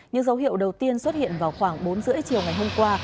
những dấu hiệu đầu tiên xuất hiện vào khoảng bốn h ba mươi chiều ngày hôm qua